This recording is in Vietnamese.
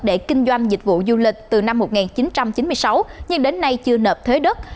để kinh doanh dịch vụ du lịch từ năm một nghìn chín trăm chín mươi sáu nhưng đến nay chưa nộp thuế đất